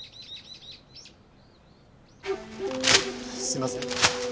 すいません。